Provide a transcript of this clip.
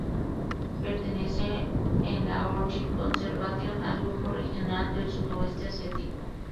Pertenece en la "Orchid Conservation", al "Grupo Regional del Sudoeste Asiático".